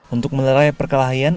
untuk menerai perkelahian